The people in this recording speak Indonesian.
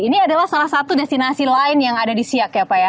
ini adalah salah satu destinasi lain yang ada di siak ya pak ya